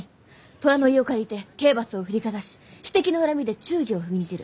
虎の威を借りて刑罰を振りかざし私的な恨みで忠義を踏みにじる。